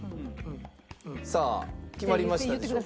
さあ決まりましたでしょうか。